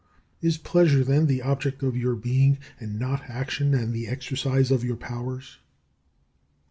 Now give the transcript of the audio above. Is pleasure, then, the object of your being, and not action, and the exercise of your powers?